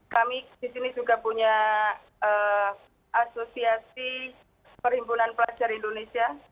kami di sini juga punya asosiasi perhimpunan pelajar indonesia